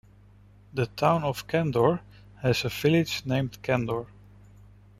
The Town of Candor has a village named Candor.